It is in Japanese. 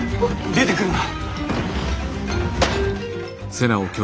出てくるな。